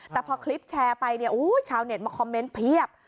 แต่พอคลิปแชร์ไปเนี่ยชาวเน็ตมาคอมเมนต์เพียบ